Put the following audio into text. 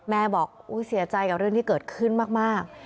แม่บอกเสียใจกับเรื่องที่เกิดขึ้นมาก